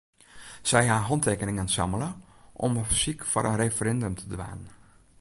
Sy ha hantekeningen sammele om in fersyk foar in referindum te dwaan.